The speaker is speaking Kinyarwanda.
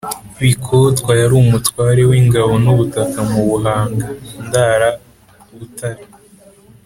Bikotwa yari umutware w'ingabo n' ubutaka mu Buhanga - Ndara (Butare).